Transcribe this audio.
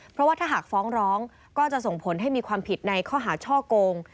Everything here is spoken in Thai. เพราะว่าถ้าหากฟ้องร้องก็จะส่งผลให้มีความผิดในข้อหาช่อโกง